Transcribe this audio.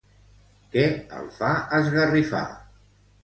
Què el fa esgarrifar?